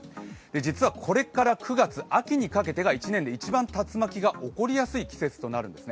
実はこれから９月、秋にかけてが１年で一番、竜巻が起こりやすい季節となるんです。